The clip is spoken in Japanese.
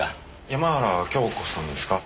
山原京子さんですか？